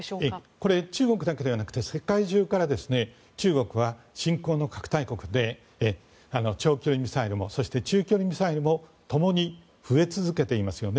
これ、中国だけではなくて世界中から中国は新興の核大国で長距離ミサイルもそして、中距離ミサイルもともに増え続けていますよね。